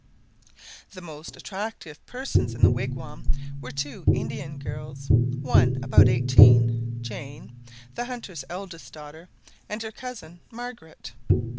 The most attractive persons in the wigwam were two Indian girls, one about eighteen, Jane, the hunter's eldest daughter, and her cousin Margaret.